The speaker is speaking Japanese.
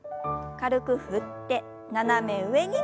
軽く振って斜め上に。